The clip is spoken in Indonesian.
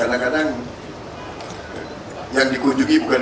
nah kadang kadang yang dikunjungi bukan kiai dulu